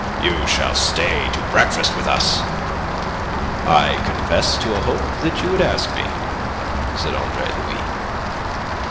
"You shall stay to breakfast with us." "I confess to a hope that you would ask me," said Andre Louis.